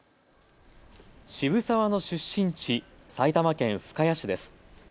渋沢の出身地、埼玉県深谷市です。